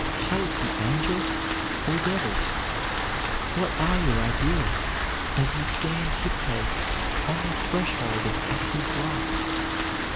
Shall it be angel or devil? What are your ideals, as you stand tiptoe on the threshold of active life?